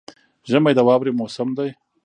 ژمی د واورې موسم دی